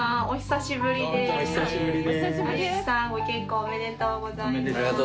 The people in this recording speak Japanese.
お久しぶりです。